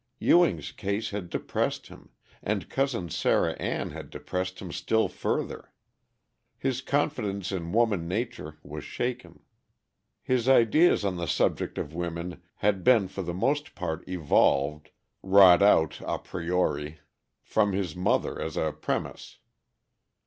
Ewing's case had depressed him, and Cousin Sarah Ann had depressed him still further. His confidence in woman nature was shaken. His ideas on the subject of women had been for the most part evolved wrought out, a priori, from his mother as a premise.